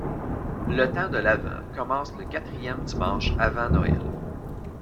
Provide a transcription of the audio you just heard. Le temps de l'Avent commence le quatrième dimanche avant Noël.